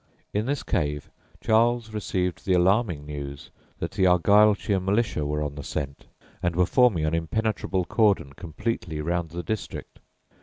In this cave Charles received the alarming news that the Argyllshire Militia were on the scent, and were forming an impenetrable cordon completely round the district.